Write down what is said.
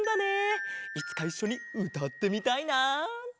いつかいっしょにうたってみたいな！